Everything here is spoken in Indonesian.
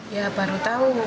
ya baru tahu